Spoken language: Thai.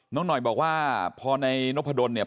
น้องหน่อยบอกว่าพอในนพดลเนี่ย